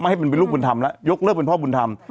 ให้เป็นลูกบุญธรรมแล้วยกเลิกเป็นพ่อบุญธรรม